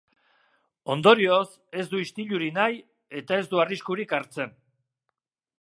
Ondorioz, ez du istilurik nahi, eta ez du arriskurik hartzen.